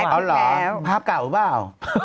เอาเหรอภาพเก่าหรือเปล่า